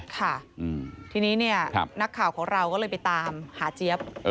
ค่ะทีนี้เนี่ยนักข่าวของเราก็เลยไปตามหาเจี๊ยบ